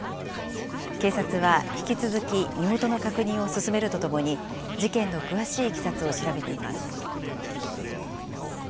警察は引き続き、身元の確認を進めるとともに、事件の詳しいいきさつを調べています。